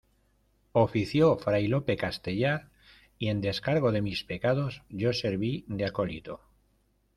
ofició Fray Lope Castellar, y en descargo de mis pecados , yo serví de acólito.